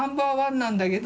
なんだけど。